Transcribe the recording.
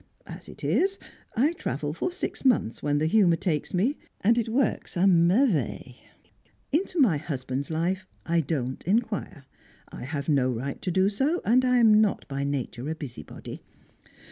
As it is, I travel for six months when the humour takes me, and it works a merveille. Into my husband's life, I don't inquire; I have no right to do so, and I am not by nature a busybody.